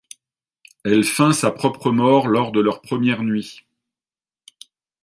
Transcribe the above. Elle feint sa propre mort lors de leur première nuit.